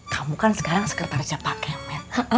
kamu kan sekarang sekretarja pak kemet